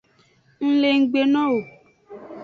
Ng le nggbe no wo.